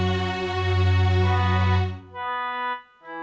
ไม่ใช้ครับไม่ใช้ครับ